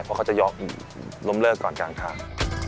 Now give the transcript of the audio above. เพราะเขาจะล้มเลิกก่อนกลางทาง